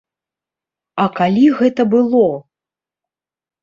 А калі гэта было?